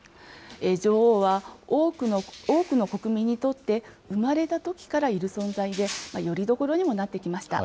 女王は多くの国民にとって生まれたときからいる存在で、よりどころにもなってきました。